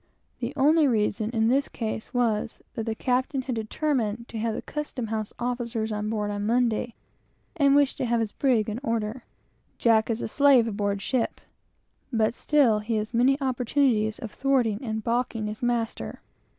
The only reason in this case was, that the captain had determined to have the custom house officers on board on Monday, and wished to have his brig in order. Jack is a slave aboard ship; but still he has many opportunities of thwarting and balking his master.